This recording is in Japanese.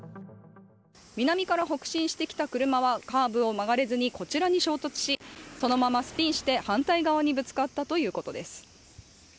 南から北進してきた車はカーブを曲がれずにこちらに衝突しそのままスピンして反対側にぶつかったということです。